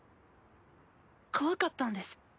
怖かったんです。